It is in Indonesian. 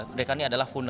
mereka ini adalah fungsi